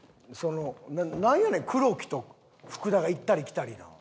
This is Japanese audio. なんやねん黒木と福田が行ったり来たり。